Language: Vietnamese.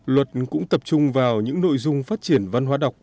luật cũng tập trung vào những nội dung phát triển văn hóa đọc